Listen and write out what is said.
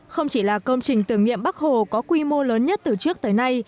không chỉ là công trình tưởng niệm bắc hồ có quy mô lớn nhất từ trước tới nay